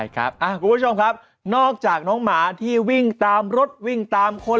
คุณผู้ชมครับนอกจากน้องหมาที่วิ่งตามรถวิ่งตามคน